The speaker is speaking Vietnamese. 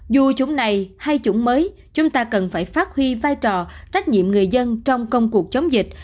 dù chúng này hay chủng mới chúng ta cần phải phát huy vai trò trách nhiệm người dân trong công cuộc chống dịch